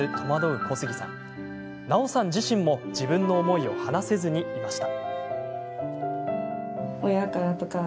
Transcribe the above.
自身も自分の思いを話せずにいました。